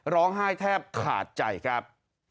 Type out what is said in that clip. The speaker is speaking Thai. ร้องไห้แทบขาดใจครับ